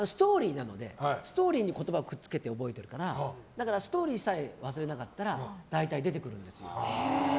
ストーリーに言葉をくっつけて覚えてるからだからストーリーさえ忘れなかったら大体出てくるんですよ。